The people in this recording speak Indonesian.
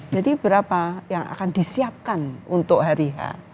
jadi berapa yang akan disiapkan untuk hari itu